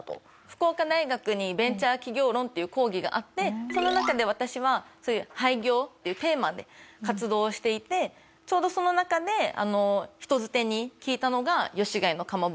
福岡大学にベンチャー起業論っていう講義があってその中で私はそういう「廃業」っていうテーマで活動をしていてちょうどその中であの人づてに聞いたのが吉開のかまぼこで。